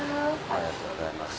ありがとうございます。